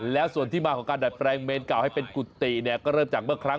แล้วส่วนที่มาของการดัดแปลงเมนเก่าให้เป็นกุฏิเนี่ยก็เริ่มจากเมื่อครั้ง